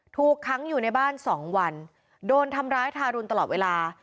ถูกค้างอยู่ในบ้านสองวันโดนทำร้ายทารุณตลอดเวลา